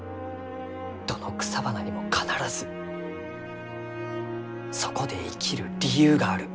どの草花にも必ずそこで生きる理由がある。